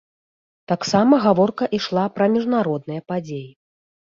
Таксама гаворка ішла пра міжнародныя падзеі.